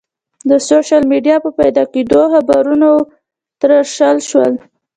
د سوشل میډیا په پیدا کېدو خبرونه وتراشل شول.